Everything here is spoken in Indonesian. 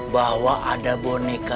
bahwa ada boneka